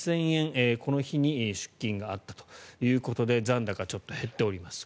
この日に出金があったということで残高、ちょっと減っております。